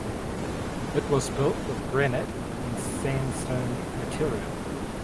It was built with granite and sandstone material.